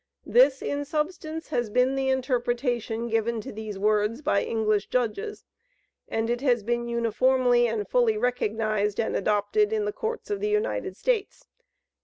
This, in substance, has been the interpretation given to these words by the English Judges, and it has been uniformly and fully recognized and adopted in the Courts of the United States.